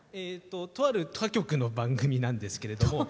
とある他局の番組なんですけど。